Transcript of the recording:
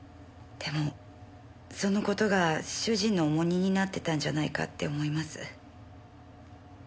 でもその事が主人の重荷になってたんじゃないかって思います。